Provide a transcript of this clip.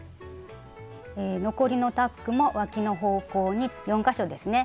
残りのタックもわきの方向に４か所ですね